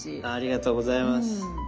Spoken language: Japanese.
ありがとうございます。